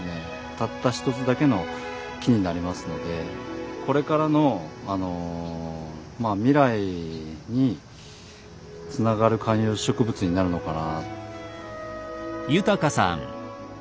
たった一つだけの木になりますのでこれからのまあ未来につながる観葉植物になるのかな。